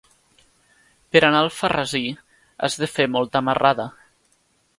Per anar a Alfarrasí has de fer molta marrada.